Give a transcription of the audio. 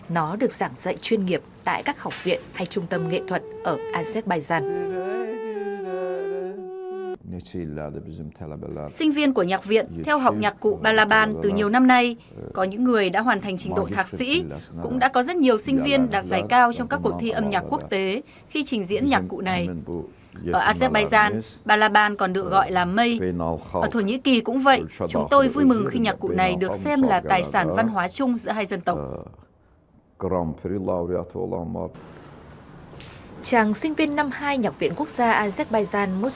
nó được giảng dạy chuyên nghiệp tại các học viện hay trung tâm nghệ thuật ở azerbaijan